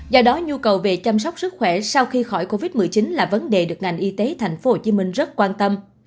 do đó nhu cầu về chăm sóc sức khỏe sau khi khỏi covid một mươi chín là vấn đề được ngành y tế thành phố hồ chí minh rất quan tâm